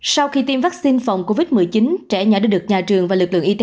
sau khi tiêm vaccine phòng covid một mươi chín trẻ nhỏ đã được nhà trường và lực lượng y tế